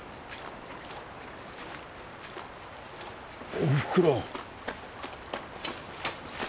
おふくろ。